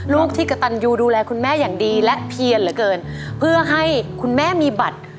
ลูกที่กระตันยูดูแลคุณแม่อย่างดีและเพียนเหลือเกินเพื่อให้คุณแม่มีบัตร